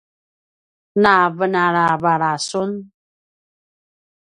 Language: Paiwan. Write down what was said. navenalavala sun!